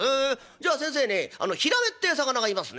じゃあ先生ねひらめってぇ魚がいますね。